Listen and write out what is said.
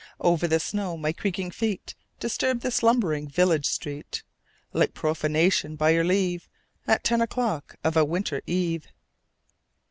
Over the snow my creaking feet Disturbed the slumbering village street Like profanation, by your leave, At ten o'clock of a winter eve.